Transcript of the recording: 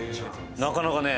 なかなかね